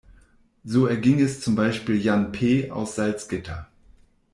So erging es zum Beispiel Jan P. aus Salzgitter.